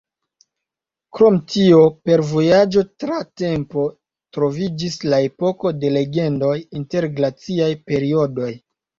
Krom tio, per vojaĝo tra tempo troviĝis la Epoko de Legendoj inter glaciaj periodoj.